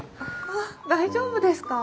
あっ大丈夫ですか？